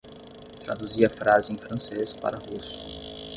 Traduzia a frase em francês para russo